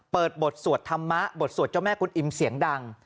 เปิดบทสวดธรรมะบทสวดเจ้าแม่กุลอิมเสียงดัง